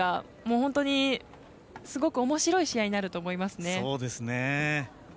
本当にすごくおもしろい試合になると思いますね。